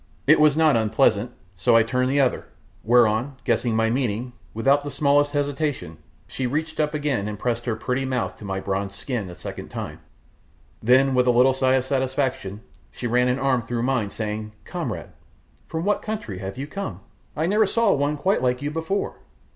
It was not unpleasant, so I turned the other, whereon, guessing my meaning, without the smallest hesitation, she reached up again, and pressed her pretty mouth to my bronzed skin a second time. Then, with a little sigh of satisfaction, she ran an arm through mine, saying, "Comrade, from what country have you come? I never saw one quite like you before."